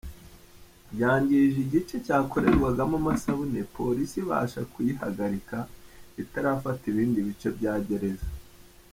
Yangije igice cyakorerwagamo amasabune, polisi ibasha kuyihagarika itarafata ibindi bice bya Gereza.